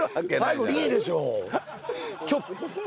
最後「リー」でしょ！